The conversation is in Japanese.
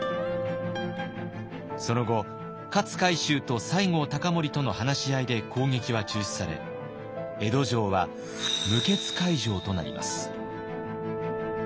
その後勝海舟と西郷隆盛との話し合いで攻撃は中止され江戸城は無血開城となります。